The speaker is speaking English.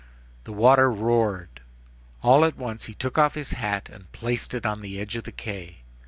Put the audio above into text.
The water roared. All at once he took off his hat and placed it on the edge of the quay.